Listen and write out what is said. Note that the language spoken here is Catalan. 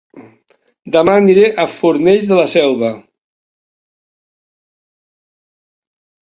Dema aniré a Fornells de la Selva